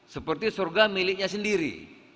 seperti surga miliknya sendiri